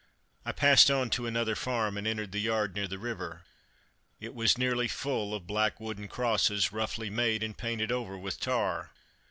I passed on to another farm, and entered the yard near the river. It was nearly full of black wooden crosses, roughly made and painted over with tar.